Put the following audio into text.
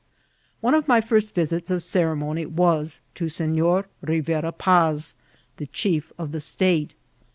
One of my first visits of ceremony was to Sefior Ri vera Paz, the chief of the state.